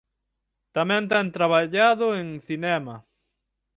Tamén ten traballado en cinema.